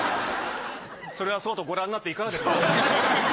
それはそうとご覧になっていかがですか？